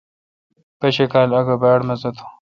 پشکال اگو باڑ مزہ تھون۔